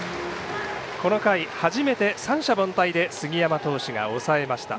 この回、初めて三者凡退で杉山投手が抑えました。